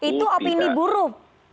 itu opini buruh